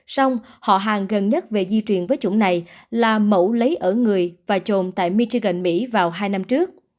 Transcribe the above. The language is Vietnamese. xong họ hàng gần nhất về di truyền với chủng này là mẫu lấy ở người và chồn tại michigan mỹ vào hai năm trước